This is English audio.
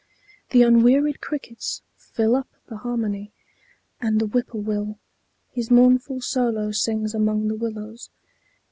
The unwearied crickets Fill up the harmony; and the whippoorwill His mournful solo sings among the willows.